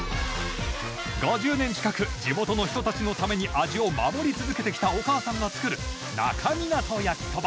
５０年近く地元の人たちのために味を守り続けてきたおかあさんが作る那珂湊焼きそば。